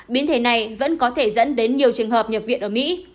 biến thể này vẫn có thể dẫn đến nhiều trường hợp nhập viện ở mỹ